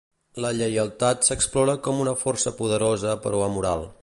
La lleialtat s'explora com una força poderosa però amoral.